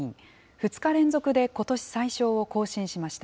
２日連続でことし最少を更新しました。